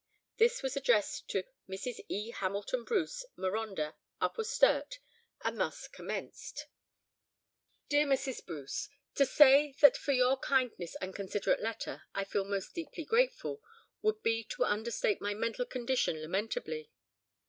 This was addressed to Mrs. E. Hamilton Bruce, Marondah, Upper Sturt, and thus commenced: "DEAR MRS. BRUCE,—To say that for your kind and considerate letter I feel most deeply grateful, would be to understate my mental condition lamentably.